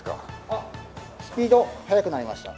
あっスピード速くなりました。